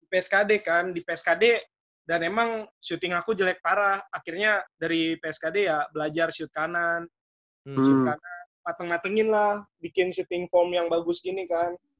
pskd kan di pskd dan emang shooting aku jelek parah akhirnya dari pskd ya belajar shoot kanan shoot kanan pateng ngatengin lah bikin shooting form yang bagus gini kan